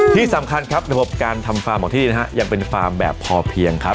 ที่สำคัญครับระบบการทำฟาร์มของที่นะฮะยังเป็นฟาร์มแบบพอเพียงครับ